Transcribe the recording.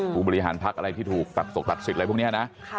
ผู้บริหารพักอะไรที่ถูกตัดตกตัดสิทธิอะไรพวกนี้นะ